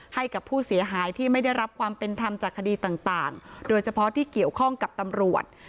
ให้กับผู้เสียหายที่ไม่ได้รับความเป็นธรรมจากคดีต่างโดยเฉพาะที่เกี่ยวข้องกับตำรวจ